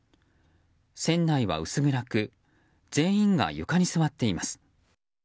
船内は薄暗く全員が床に座っています。